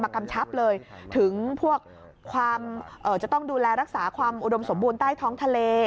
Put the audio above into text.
กำชับเลยถึงพวกความจะต้องดูแลรักษาความอุดมสมบูรณ์ใต้ท้องทะเล